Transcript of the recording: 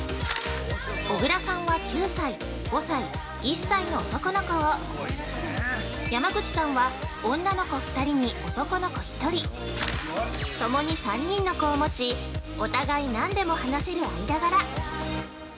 小倉さんは９歳・５歳・１歳の男の子を山口さんは女の子２人に男の子１人共に３人の子を持ち、お互い何でも話せる間柄。